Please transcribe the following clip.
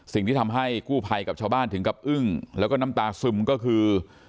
สิ่งที่ทำให้กู้ภัยกับชาวบ้านถึงกับอึ้งแล้วก็น้ำตาซึมก็คือ